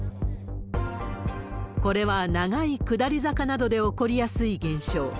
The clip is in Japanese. これは長い下り坂などで起こりやすい現象。